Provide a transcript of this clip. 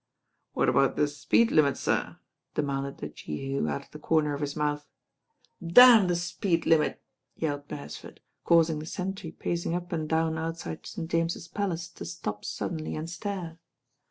"What about the speed limit, sir?" demanded the Jehu out of the corner of his mouth. "Damn the speed limit," yelled Beresford, caus ing the sentry pacing up and down outside St. James's Palace to stop suddenly and stare.